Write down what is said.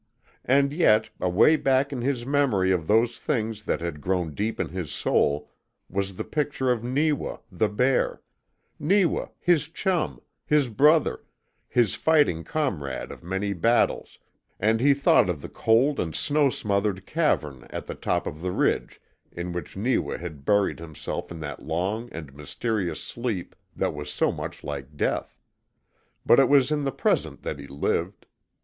And yet, away back in his memory of those things that had grown deep in his soul, was the picture of Neewa, the bear; Neewa, his chum, his brother, his fighting comrade of many battles, and he thought of the cold and snow smothered cavern at the top of the ridge in which Neewa had buried himself in that long and mysterious sleep that was so much like death. But it was in the present that he lived.